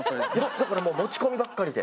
だからもう持ち込みばっかりで。